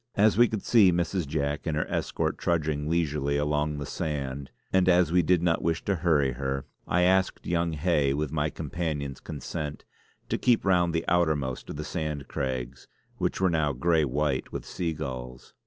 As we could see Mrs. Jack and her escort trudging leisurely along the sand, and as we did not wish to hurry her, I asked young Hay with my companion's consent, to keep round the outermost of the Sand Craigs, which was now grey white with sea gulls.